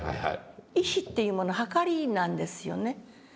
意志っていうもの秤なんですよね。